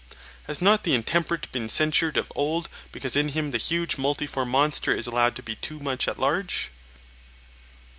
Has not the intemperate been censured of old, because in him the huge multiform monster is allowed to be too much at large?